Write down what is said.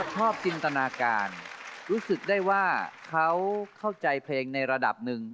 จินตนาการรู้สึกได้ว่าเขาเข้าใจเพลงในระดับหนึ่ง